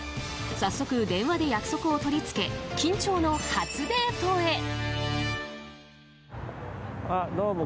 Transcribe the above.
早速、電話で約束を取り付け緊張の初デートへ。